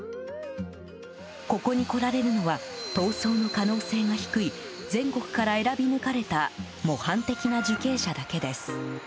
ここに来られるのは逃走の可能性が低い全国から選び抜かれた模範的な受刑者だけです。